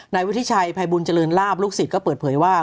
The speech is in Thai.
วุฒิชัยภัยบุญเจริญลาบลูกศิษย์ก็เปิดเผยว่า